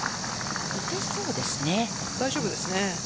大丈夫ですね。